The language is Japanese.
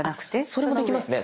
それもできますね。